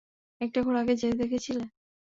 একটা ঘোড়াকে যেতে দেখেছিলে?